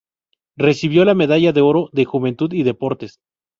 Recibió la medalla de oro de Juventud y Deportes.